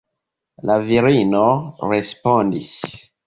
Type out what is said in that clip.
La virino respondis: